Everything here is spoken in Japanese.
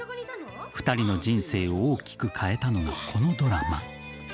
２人の人生を大きく変えたのがこのドラマ。